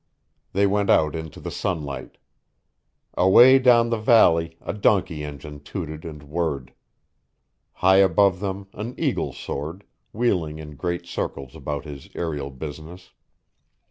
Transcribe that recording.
They went out into the sunlight. Away down the valley a donkey engine tooted and whirred. High above them an eagle soared, wheeling in great circles about his aerial business.